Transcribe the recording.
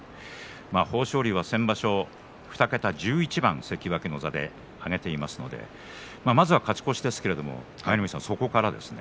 豊昇龍は先場所２桁１１番関脇の座で挙げていますのでまずは勝ち越しですけれど舞の海さん、そこからですね。